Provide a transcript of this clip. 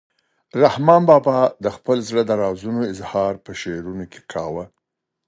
رحمان بابا د خپل زړه د رازونو اظهار په شعرونو کې کاوه.